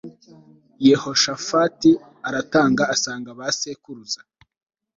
yehoshafati aratanga asanga ba sekuruza